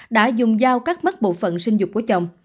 đã dùng dao các mất bộ phận sinh dục của chồng